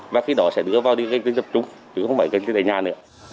và khi đó sẽ đưa vào những gây tính tập trung chứ không phải gây tính tại nhà nữa